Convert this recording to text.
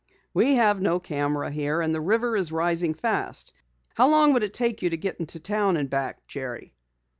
"We have no camera here, and the river is rising fast. How long would it take you to get to town and back, Jerry?"